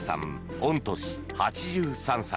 御年８３歳。